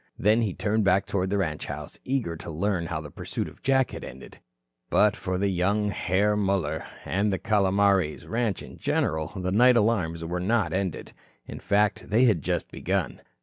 Then he turned back toward the ranch house, eager to learn how the pursuit of Jack had ended. But for young Herr Muller and the Calomares ranch in general the night alarms were not ended. In fact, they had just begun.